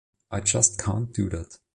I just can't do that.